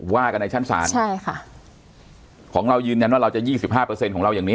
ว่ากันในชั้นศาลใช่ค่ะของเรายืนยันว่าเราจะยี่สิบห้าเปอร์เซ็นต์ของเราอย่างนี้